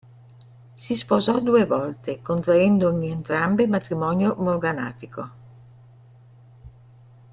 Si sposò due volte, contraendo in entrambe matrimonio morganatico.